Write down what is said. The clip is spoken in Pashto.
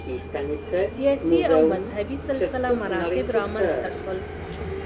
سیاسي او مذهبي سلسله مراتب رامنځته شول